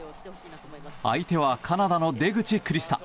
相手はカナダの出口クリスタ。